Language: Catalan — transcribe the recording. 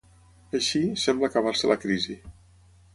Així, sembla acabar-se la crisi.